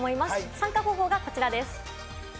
参加方法はこちらです。